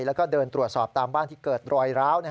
แล้วก็เดินตรวจสอบตามบ้านที่เกิดรอยร้าว